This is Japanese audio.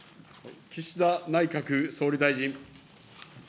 岸田内閣総理大臣。